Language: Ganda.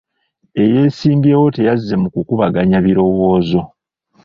Eyeesimbyewo teyazze mu kukubaganya birowoozo.